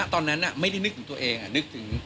ตอนนั้นไม่ได้นึกถึงตัวเองนึกถึง